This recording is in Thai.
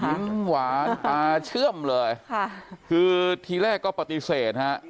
หวานตาเชื่อมเลยค่ะคือทีแรกก็ปฏิเสธฮะ